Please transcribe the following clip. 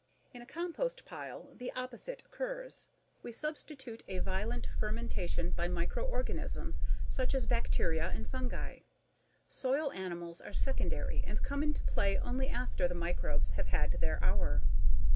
In a compost pile the opposite occurs: we substitute a violent fermentation by microorganisms such as bacteria and fungi. Soil animals are secondary and come into play only after the microbes have had their hour.